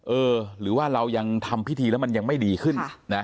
เออหรือว่าเรายังทำพิธีแล้วมันยังไม่ดีขึ้นนะ